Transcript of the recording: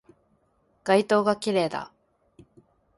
街灯が綺麗だ